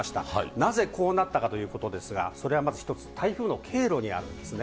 なぜ、こうなったかということですが、それはまず一つ、台風の経路にあるんですね。